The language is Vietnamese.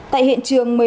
tại hiện trường